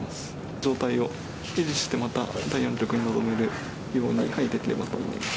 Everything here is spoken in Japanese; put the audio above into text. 状態を維持してまた第４局に臨めるようにできればと思います。